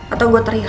atau gue teriak